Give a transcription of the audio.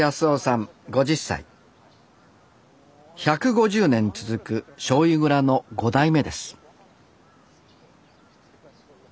１５０年続くしょうゆ蔵の５代目です